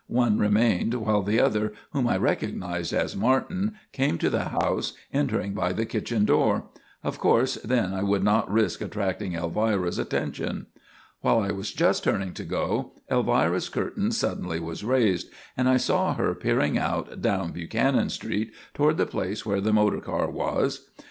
One remained while the other, whom I recognised as Martin, came to the house, entering by the kitchen door. Of course, then I would not risk attracting Elvira's attention. "While I was just turning to go, Elvira's curtain suddenly was raised, and I saw her peering out down Buchanan Street toward the place where the motor car was.